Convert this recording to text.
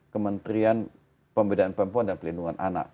kementerian pemberdayaan perempuan dan pelindungan anak